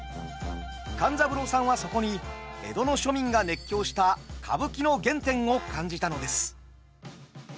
勘三郎さんはそこに江戸の庶民が熱狂した歌舞伎の原点を感じたのです。